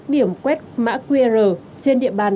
điểm quét mã qr trên địa bàn